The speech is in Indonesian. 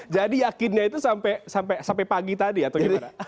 jadi yakinnya itu sampai pagi tadi atau gimana